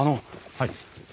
はい。